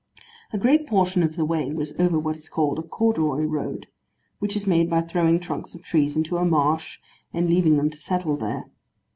A great portion of the way was over what is called a corduroy road, which is made by throwing trunks of trees into a marsh, and leaving them to settle there.